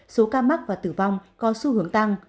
số ca mắc và tử vong có xu hướng tăng